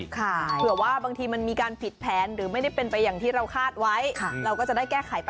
เผื่อว่าบางทีมันมีการผิดแผนหรือไม่ได้เป็นไปอย่างที่เราคาดไว้